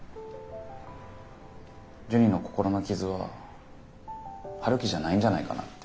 ジュニの心の傷は陽樹じゃないんじゃないかなって。